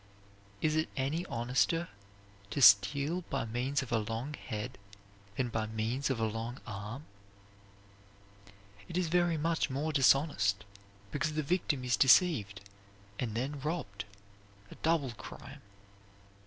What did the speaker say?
Is it any honester to steal by means of a long head than by means of a long arm? It is very much more dishonest, because the victim is deceived and then robbed a double crime.